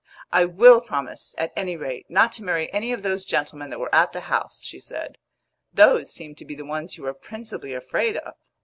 "I will promise, at any rate, not to marry any of those gentlemen that were at the house," she said. "Those seemed to be the ones you were principally afraid of."